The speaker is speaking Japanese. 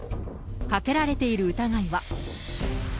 かけられている疑いは。